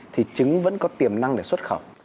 thì trứng vẫn có tiềm năng để xuất khẩu